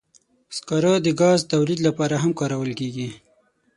سکاره د ګاز تولید لپاره هم کارول کېږي.